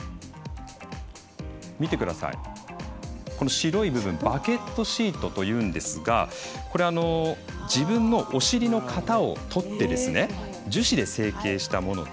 白い部分バケットシートというんですが自分のお尻の型を取って樹脂で成型したもので。